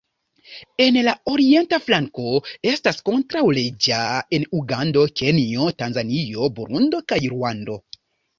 En la orienta flanko estas kontraŭleĝa en Ugando, Kenjo, Tanzanio, Burundo kaj Ruando.